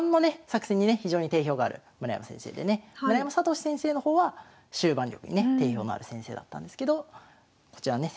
作戦にね非常に定評がある村山先生でね村山聖先生の方は終盤力にね定評のある先生だったんですけどこちらのね